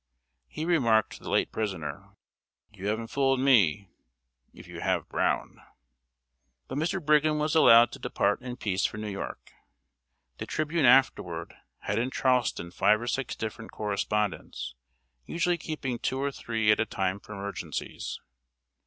He remarked to the late prisoner: "You haven't fooled me, if you have Brown." But Mr. Brigham was allowed to depart in peace for New York. The Tribune afterward had in Charleston five or six different correspondents, usually keeping two there at a time for emergencies.